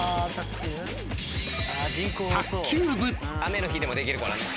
雨の日でもできるからね。